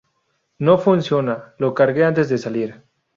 No funciona. Lo cargué antes de salir.